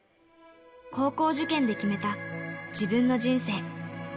高校受験で決めた自分の人生。